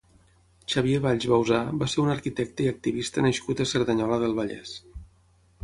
Xavier Valls Bauzà va ser un arquitecte i activista nascut a Cerdanyola del Vallès.